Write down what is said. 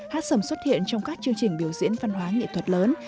hát sầm xuất hiện trong các chương trình biểu diễn văn hóa nghệ thuật lớn